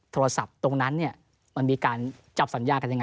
โทรศัพท์ตรงนั้นเนี่ยมันมีการจับสัญญากันยังไง